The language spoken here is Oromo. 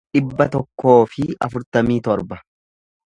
dhibba tokkoo fi afurtamii torba